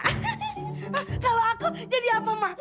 kalau aku jadi apa ma